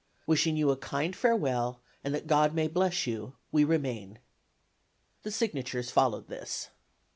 Wishing you a kind farewell and that God may bless you, we remain. The signatures followed this.